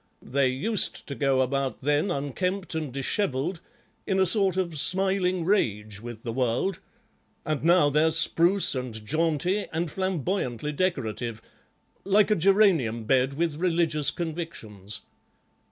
They used to go about then unkempt and dishevelled, in a sort of smiling rage with the world, and now they're spruce and jaunty and flamboyantly decorative, like a geranium bed with religious convictions.